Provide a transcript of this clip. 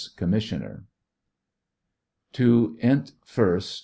Commissioner. To int. 1st.